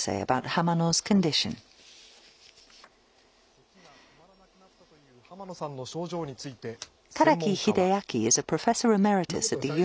せきが止まらなくなったという濱野さんの症状について専門家は。